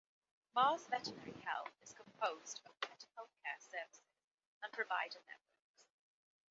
Mars Veterinary Health is composed of pet healthcare services and provider networks.